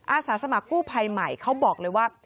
อาสาสมัครกู้ภัยใหม่เขาบอกเลยว่า